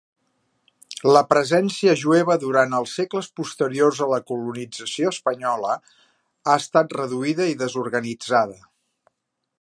La presència jueva durant els segles posteriors a la colonització espanyola ha estat reduïda i desorganitzada.